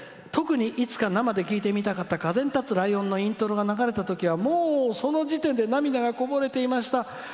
特にいつか生で聴いてみたかった「風に立つライオン」のイントロが流れたときはその時点で涙がこぼれていました」。